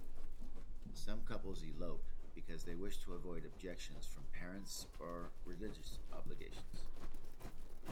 Some couples elope because they wish to avoid objections from parents, or religious obligations.